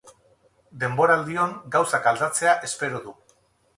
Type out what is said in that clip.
Denboraldion gauzak aldatzea espero du.